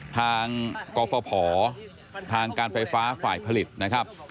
ทางกฟภทางการไฟฟ้าฝ่ายผลิตนะครับ